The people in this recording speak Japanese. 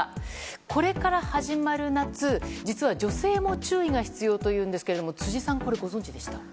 これから始まる夏、実は女性も注意が必要というんですが辻さん、ご存じでした？